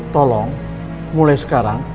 tolong mulai sekarang